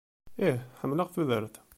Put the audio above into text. Ih ḥemmleɣ tudert!